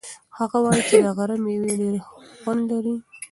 هغه وایي چې د غره مېوې ډېر خوند لري.